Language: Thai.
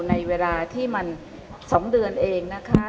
ในเวลาที่มัน๒เดือนเองนะคะ